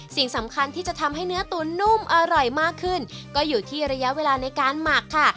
สิ่งสำคัญที่จะทำให้เนื้อตุ๋นนุ่มอร่อยมากขึ้นก็อยู่ที่ระยะเวลาในการหมักค่ะ